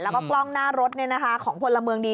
แล้วก็กล้องหน้ารถของพลเมืองดี